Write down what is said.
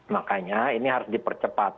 makanya ini harus dipercepat